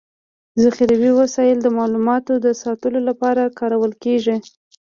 ذخيروي وسایل د معلوماتو د ساتلو لپاره کارول کيږي.